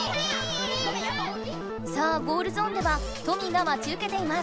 さあゴールゾーンではトミが待ちうけています。